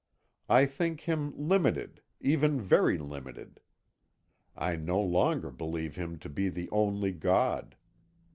I think Him limited, even very limited. I no longer believe Him to be the only God.